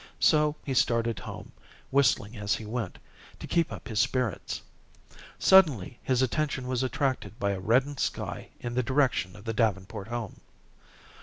So he started home, whistling as he went, to keep up his spirits. Suddenly his attention was attracted by a reddened sky in the direction of the Davenport home.